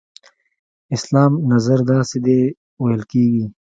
اسلام نظر داسې دی ویل کېږي.